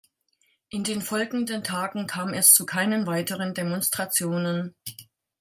In den folgenden Tagen kam es zu keinen weiteren Demonstrationen.